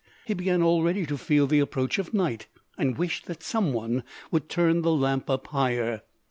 He began already to feel the approach of night, and wished that some one would turn the lamp up higher.